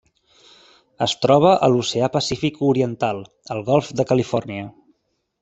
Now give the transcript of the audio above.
Es troba a l'Oceà Pacífic oriental: el Golf de Califòrnia.